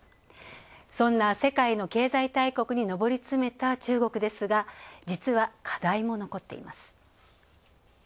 そんな世界の経済大国に上り詰めた中国ですが実は課題も残っています。